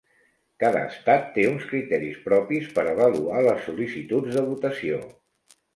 Cada estat té uns criteris propis per avaluar les sol·licituds de votació